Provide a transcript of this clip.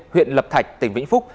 huyện lập thạch tỉnh vĩnh phúc